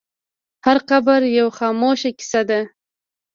هر قبر یوه خاموشه کیسه ده.